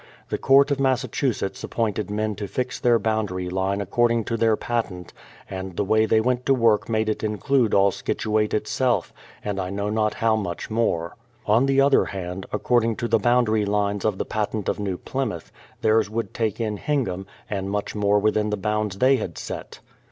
The Court of Massachu setts appointed men to fix their boundary line according to their patent, and the way they went to work made it include all Scituate itself, and I know not how much mor^ 298 THE PLYMOUTH SETTLEIVIENT 299 On the other hand, according to the boundary Hnes of the patent of New Plymouth, theirs would take in Hingam, and much more within the bounds they had set.